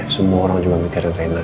semua orang juga mikirin reinhard